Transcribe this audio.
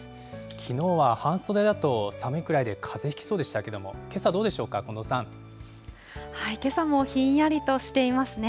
きのうは半袖だと寒いくらいで、かぜひきそうでしたけれども、けけさもひんやりとしていますね。